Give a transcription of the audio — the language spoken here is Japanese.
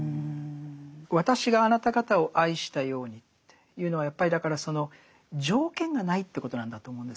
「わたしがあなた方を愛したように」というのはやっぱりだからその条件がないということなんだと思うんですよね。